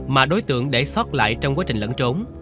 mà đối tượng để sót lại trong quá trình lẫn trốn